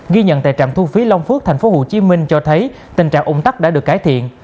ghi nhận tại trạm thu phí long phước tp hcm cho thấy tình trạng ủng tắc đã được cải thiện